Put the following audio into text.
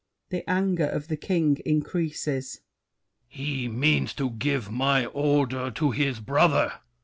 [The anger of The King increases. THE KING. He means to give my order to his brother!